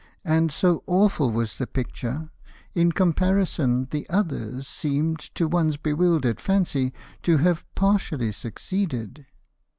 And, so awful was the picture, In comparison the others Seemed, to one's bewildered fancy, To have partially succeeded.